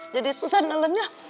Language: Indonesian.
jadi susah nelan ya